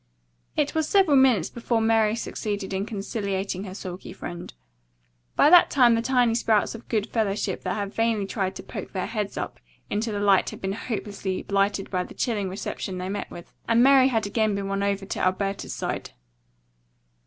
It was several minutes before Mary succeeded in conciliating her sulky friend. By that time the tiny sprouts of good fellowship that had vainly tried to poke their heads up into the light had been hopelessly blighted by the chilling reception they met with, and Mary had again been won over to Alberta's side.